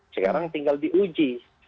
sekarang tinggal diuji